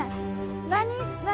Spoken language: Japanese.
何？